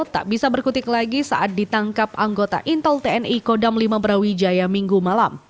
tak bisa berkutik lagi saat ditangkap anggota intel tni kodam lima brawijaya minggu malam